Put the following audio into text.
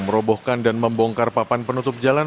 merobohkan dan membongkar papan penutup jalan